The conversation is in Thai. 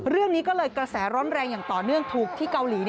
เรื่องนี้ก็เลยกระแสร้อนแรงอย่างต่อเนื่องถูกที่เกาหลี